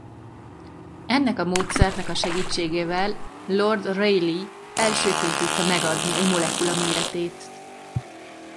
Ennek a módszernek a segítségével Lord Rayleigh elsőként tudta megadni egy molekula méretét.